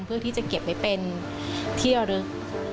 เพื่อที่จะเก็บไว้เป็นที่ระลึก